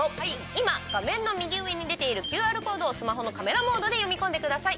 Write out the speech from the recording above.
今、画面の右上に出ているＱＲコードをスマホのカメラモードで読み込んでください。